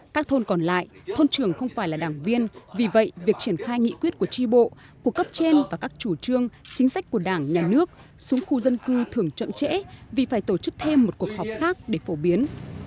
các thôn còn lại thôn trường không phải là đảng viên vì vậy việc triển khai nghị quyết của tri bộ của cấp trên và các chủ trương chính sách của đảng nhà nước xuống khu dân cư thường chậm trễ vì phải tổ chức thêm một cuộc họp khác để phổ biến